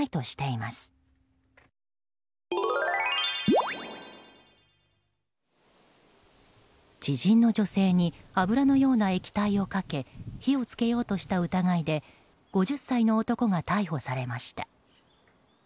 知人の女性に油のような液体をかけ火を付けようとした疑いで５０歳の男が逮捕されました。